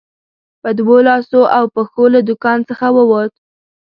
په دوو لاسو او پښو له دوکان څخه ووت.